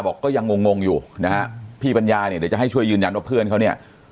ก็ยังงงงอยู่นะฮะพี่ปัญญาเนี่ยเดี๋ยวจะให้ช่วยยืนยันว่าเพื่อนเขาเนี่ย